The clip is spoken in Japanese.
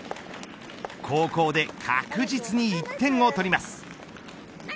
後攻で確実に１点を取ります。